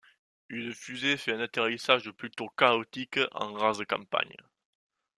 Une fusée fait un atterrissage plutôt chaotique en rase campagne.